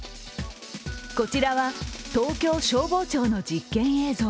こちらは東京消防庁の実験映像。